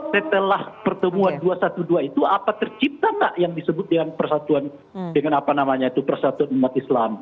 setelah pertemuan dua ratus dua belas itu apa tercipta nggak yang disebut dengan persatuan umat islam